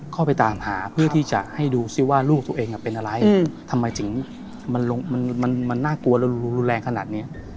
เข้าไปตามหาเพื่อที่จะให้ดูซิว่าลูกตัวเองเป็นอะไรทำไมถึงมันน่ากลัวแล้วรุนแรงขนาดนี้